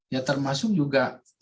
ya termasuk juga